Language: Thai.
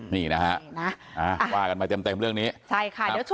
นี่นะฮะว่ากันมาเต็มเรื่องนี้